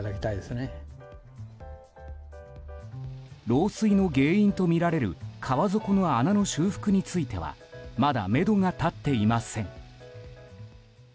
漏水の原因とみられる川底の穴の修復についてはまだ、めどが立っていません。